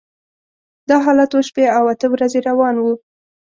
دا حالت اوه شپې او اته ورځې روان و.